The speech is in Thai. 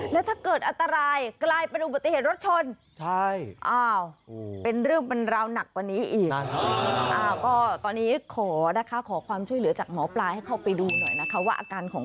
แล้วถ้าเกิดอันตรายกลายเป็นอุบัติเหตุรถชน